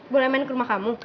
boleh main ke rumah kamu